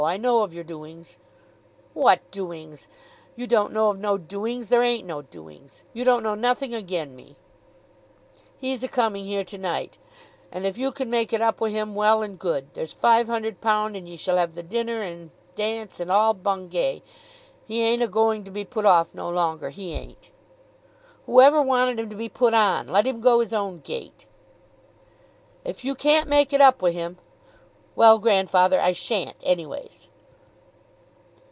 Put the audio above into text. I know of your doings." "What doings! You don't know of no doings. There ain't no doings. You don't know nothing ag'in me." "He's a coming here to night, and if you can make it up wi' him, well and good. There's five hun'erd pound, and ye shall have the dinner and the dance and all Bungay. He ain't a going to be put off no longer; he ain't." "Whoever wanted him to be put on? Let him go his own gait." "If you can't make it up wi' him " "Well, grandfather, I shan't anyways."